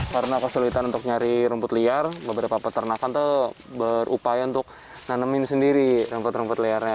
karena kesulitan untuk nyari rumput liar beberapa peternakan itu berupaya untuk nanemin sendiri rumput rumput liarnya